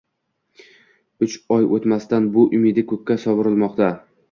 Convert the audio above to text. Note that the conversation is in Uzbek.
Uch oy o'tmasdan bu umidi ko'kka sovurilmoqda.